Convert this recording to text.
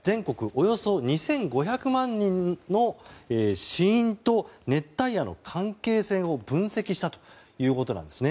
およそ２５００万人の死因と熱帯夜の関係性を分析したということなんです。